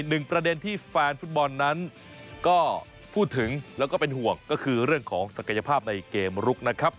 หนึ่งประเด็นที่แฟนฟุตบอลนั้นก็พูดถึงแล้วก็เป็นห่วงก็คือเรื่องของศักยภาพในเกมลุกนะครับ